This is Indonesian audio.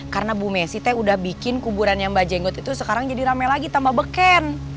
karena bu messi teh udah bikin kuburannya mba jengot itu sekarang jadi rame lagi tambah beken